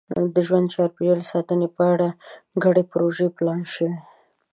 د ژوند چاپېریال ساتنې په اړه ګډې پروژې پلان شوي.